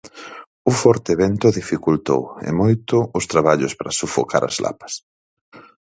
O forte vento dificultou, e moito, os traballos para sufocar as lapas.